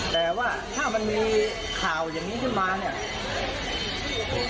แต่ว่าถ้ามันมีข่าวอย่างนี้ขึ้นมาเนี่ย